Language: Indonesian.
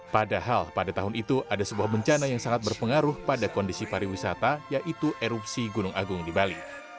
padahal pada tahun itu ada sebuah bencana yang sangat berpengaruh pada kondisi pariwisata yaitu erupsi gunung agung di bali